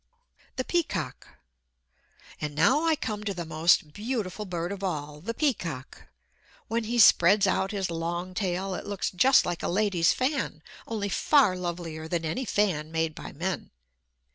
The Peacock And now I come to the most beautiful bird of all, the peacock. When he spreads out his long tail, it looks just like a lady's fan, only far lovelier than any fan made by men.